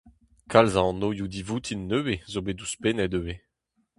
Kalz a anvioù divoutin nevez zo bet ouzhpennet ivez.